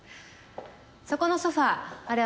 そこのソファあれ